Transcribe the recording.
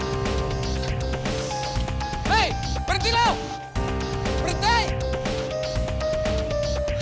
kenapa lu saling re locks tuh